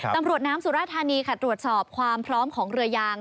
ตำรวจน้ำสุราธานีค่ะตรวจสอบความพร้อมของเรือยาง